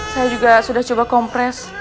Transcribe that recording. saya juga sudah coba kompres